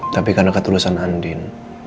tapi karena ketulusan andin